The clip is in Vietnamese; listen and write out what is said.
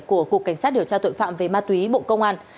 của cục cảnh sát điều tra tội phạm về ma túy bộ công an